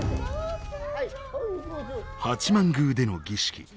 八幡宮での儀式。